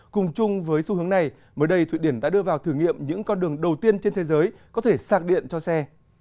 cùng chung với xu hướng này mới đây thụy điển đã đưa vào thử nghiệm những con đường đầu tiên trên thế giới có thể sạc điện cho xe